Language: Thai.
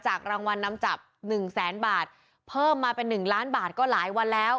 รางวัลนำจับหนึ่งแสนบาทเพิ่มมาเป็น๑ล้านบาทก็หลายวันแล้ว